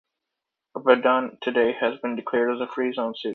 Abadan today has been declared as a free zone city.